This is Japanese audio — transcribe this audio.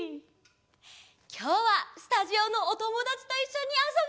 きょうはスタジオのおともだちといっしょにあそぶよ！